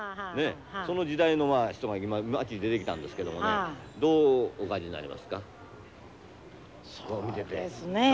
その時代の人が今街に出てきたんですけどもねどうお感じになりますか？